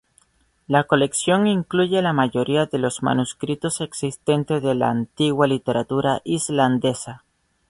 La colección incluye la mayoría de los manuscritos existentes de la antigua literatura islandesa.